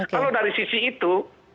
kalau dari sisi itu